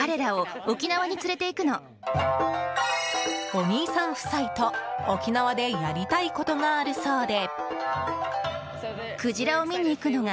お兄さん夫妻と沖縄でやりたいことがあるそうで。